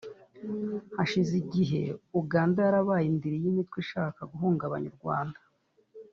Hashize igihe Uganda yarabaye indiri y’imitwe ishaka guhungabanya u Rwanda